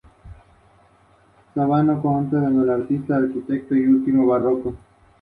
Uno de ellos era su hijo.